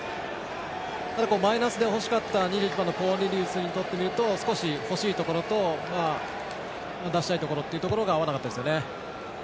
ただ、マイナスで欲しかった２１番のコーネリウスにとっては少し、欲しいところと出したいところが合わなかったですね。